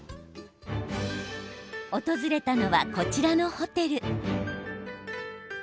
訪れたのは、こちらのホテル。